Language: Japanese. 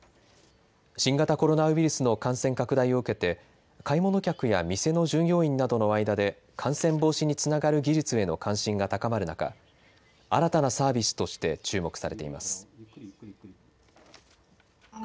新型コロナウイルスの感染拡大を受けて、買い物客や店の従業員などの間で、感染防止につながる技術への関心が高まる中、新たなサービスとして注目されています。